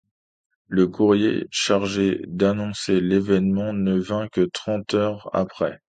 Le courrier chargé d’annoncer l’événement ne vint que trente heures après...